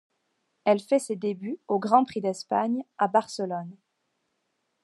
Elle fait ses débuts au Grand Prix d'Espagne, à Barcelone.